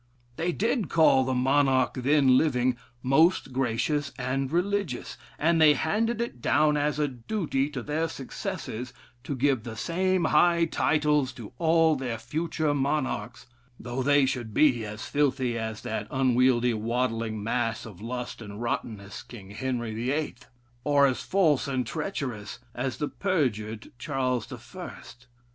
They did call the monarch then living, 'most gracious and religious,' and they handed it down as a duty to their successors to give the same high titles to all their future monarchs, though they should be as filthy as that unwieldy, waddling mass of lust and rottenness, King Henry the Eighth, or at false and treacherous as the perjured Charles the First.